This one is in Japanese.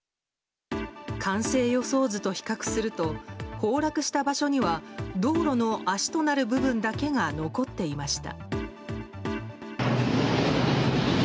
完成予想図と比較すると崩落した場所には道路の脚となる部分だけが残っていました。